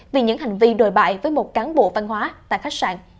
vì những hành vi đồi bại với một cán bộ văn hóa tại khách sạn